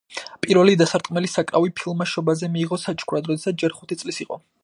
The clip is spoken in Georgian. პირველი დასარტყმელი საკრავი ფილმა შობაზე მიიღო საჩუქრად, როდესაც ჯერ ხუთი წლის იყო.